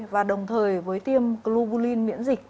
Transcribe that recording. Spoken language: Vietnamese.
và đồng thời với tiêm globulin miễn dịch